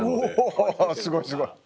おすごいすごい。